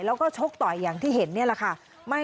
แล้วก็ชกต่อยอย่างที่เห็นนี่แหละค่ะ